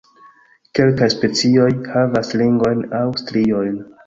Kelkaj specioj havas ringojn aŭ striojn.